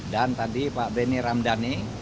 tadi pak benny ramdhani